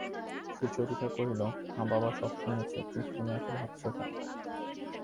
সুচরিতা কহিল, হাঁ বাবা, সব শুনেছি, কিন্তু তুমি অত ভাবছ কেন?